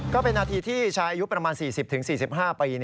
ก็เป็นนาทีที่ชายอายุประมาณ๔๐๔๕ปี